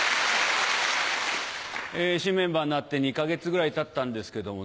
新メンバーになって２か月ぐらいたったんですけどもね。